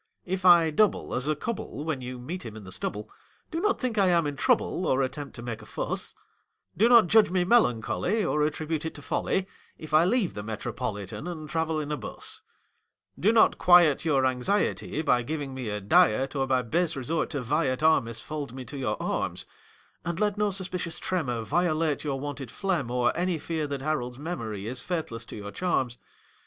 If I double as a cub'll when you meet him in the stubble, Do not think I am in trouble or at tempt to make a fuss ; Do not judge me melancholy or at tribute it to folly If I leave the Metropolitan and travel 'n a bus Do not quiet your anxiety by giving me a diet, Or by base resort to vi et armis fold me to your arms, And let no suspicious tremor violate your wonted phlegm or Any fear that Harold's memory is faithless to your charms.